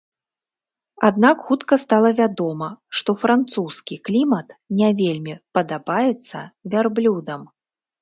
Аднак хутка стала вядома, што французскі клімат не вельмі падабаецца вярблюдам.